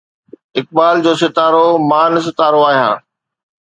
اقبال جو ستارو، مان ستارو آهيان